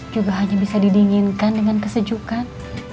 juga hanya bisa didinginkan dengan kesejukan